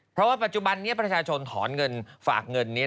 เพราะว่าปัจจุบันนี้ประชาชนถอนเงินฝากเงินนี้